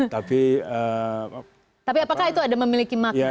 tapi apakah itu ada memiliki makna